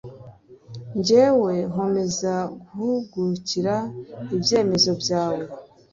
jyewe nkomeza guhugukira ibyemezo byawe